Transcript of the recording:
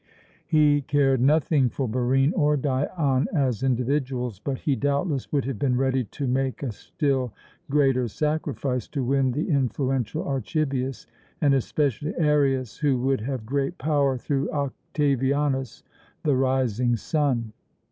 He cared nothing for Barine or Dion as individuals, but he doubtless would have been ready to make a still greater sacrifice to win the influential Archibius, and especially Arius, who would have great power through Octavianus, the rising sun.